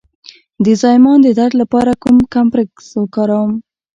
د زایمان د درد لپاره کوم کمپرس وکاروم؟